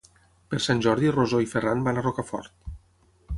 Per Sant Jordi na Rosó i en Ferran van a Rocafort.